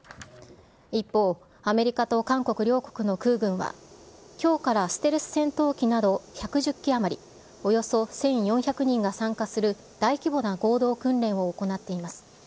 一方、アメリカと韓国両国の空軍は、きょうからステルス戦闘機など１１０機余りおよそ１４００人が参加する、大規模な合同訓練を行っています。